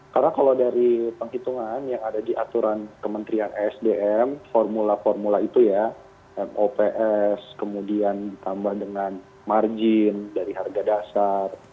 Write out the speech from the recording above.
karena kalau dari penghitungan yang ada di aturan kementerian esdm formula formula itu ya mops kemudian ditambah dengan margin dari harga dasar